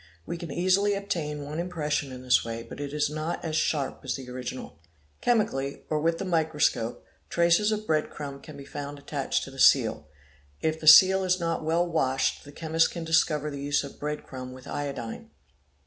We can easily obtain one impression in this way, but it is not as sharp as the original. _ Chemically or with the microscope traces of bread crumb can be found attached to the seal. If the seal is not well washed the chemist can discover the use of bread crumb with iodine.